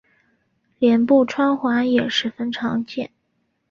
脸部穿环也十分常见。